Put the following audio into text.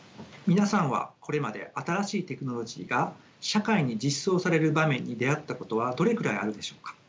皆さんはこれまで新しいテクノロジーが社会に実装される場面に出会ったことはどれくらいあるでしょうか？